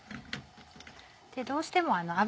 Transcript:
どうしても。